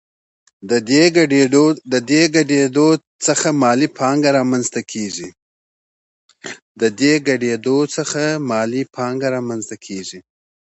د دې ګډېدو څخه مالي پانګه رامنځته کېږي